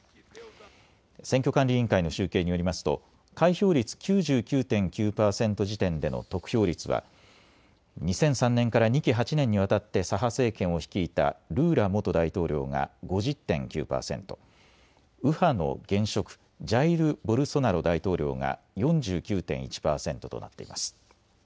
選挙管理委員会の集計によりますと開票率９９．９％時点での得票率は２００３年から２期８年にわたって左派政権を率いたルーラ元大統領が５０．９％、右派の現職、ジャイル・ボルソナロ大統領が４９．１％となっています。